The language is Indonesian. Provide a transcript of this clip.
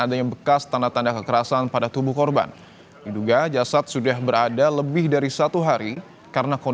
di tengah tengah selanjutnya dimanda pesiaran